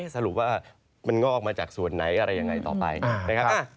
สรุปว่ามันงอกมาจากส่วนไหนอะไรยังไงต่อไปนะครับ